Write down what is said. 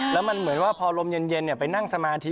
แล้วมันเหมือนว่าพอลมเย็นไปนั่งสมาธิ